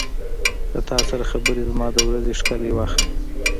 • له تا سره خبرې زما د ورځې ښکلی وخت دی.